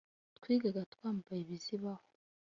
twigaga twambaye ibizibaho